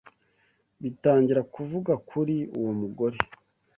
bitangira kuvuga kuri uwo mugore.